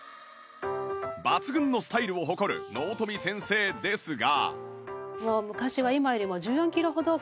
抜群のスタイルを誇る納富先生ですが